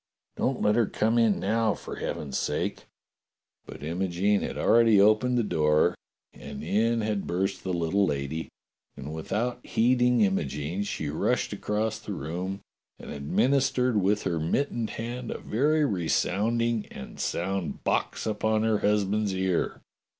Don't let her come in now, for heaven's sake!" But Imogene had already opened the door and in had burst the little lady, and without heeding Imogene she rushed across the room and administered with her mit tened hand a very resounding and sound box upon her husband's ear.